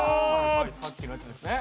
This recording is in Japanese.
さっきのやつですね。